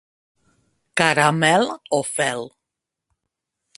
Caramel o fel.